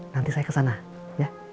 nanti saya kesana ya